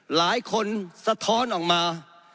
หลายคนสะท้อนออกมา